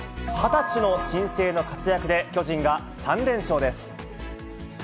２０歳の新星の活躍で、巨人が３連勝です。